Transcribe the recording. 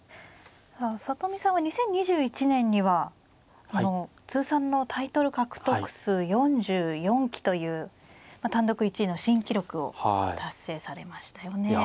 里見さんは２０２１年には通算のタイトル獲得数４４期という単独１位の新記録を達成されましたよね。